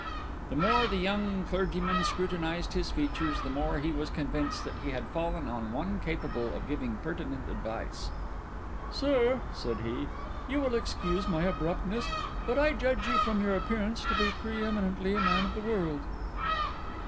The more the young clergyman scrutinised his features, the more he was convinced that he had fallen on one capable of giving pertinent advice. "Sir," said he, "you will excuse my abruptness; but I judge you from your appearance to be pre eminently a man of the world."